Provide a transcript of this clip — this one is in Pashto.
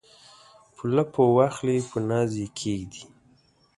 په لپو واخلي په ناز یې کښیږدي